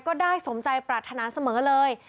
ก็ได้สมใจปรารถนาเสมอเลย